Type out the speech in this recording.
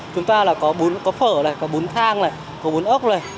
chúng ta có phở có bún thang có bún ớt